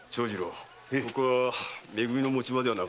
ここはめ組の持ち場ではなかろう。